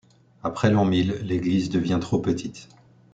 Après l’an mil, l’église devient trop petite.